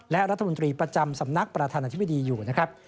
และรัฐมนตรีประจำสำนักประธานาธิบดีอยู่นะครับ